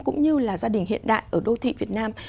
cũng như là gia đình hiện đại ở đô thị việt nam